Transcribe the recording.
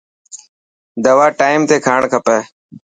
دوا ٽائيم تي کاڻ کپي.